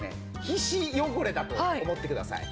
皮脂汚れだと思ってください。